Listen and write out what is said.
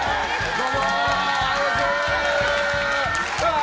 どうも！